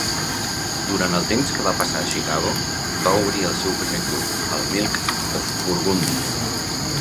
Durant el temps que va passar a Chicago va obrir el seu primer club, el Milk of Burgundy.